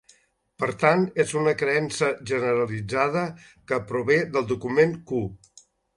Per tant, és una creença generalitzada que prové del document Q.